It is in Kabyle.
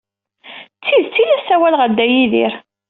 S tidet ay la ssawaleɣ a Dda Yidir.